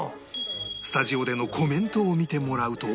スタジオでのコメントを見てもらうと